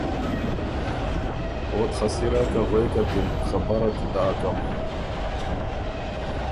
اوت خه سِرا که غوېکت اِن، خبرت داکم۔